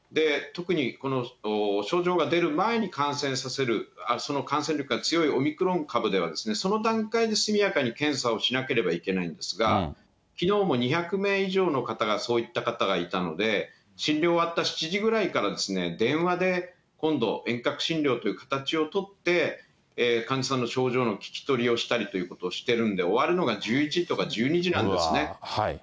特にこの症状が出る前に感染させる、その感染力が強いオミクロン株では、その段階で速やかに検査をしなければいけないんですが、きのうも２００名以上の方がそういった方がいたので、診療終わった７時ぐらいからですね、電話で今度、遠隔診療という形を取って患者さんの症状の聞き取りをしたりということをしてるんで、終わるのが１１時とか１２時なんですね。